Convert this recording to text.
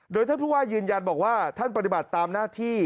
โดยท่านผู้ว่ายืนยันบอกว่าท่านปฏิบัติตามหน้าที่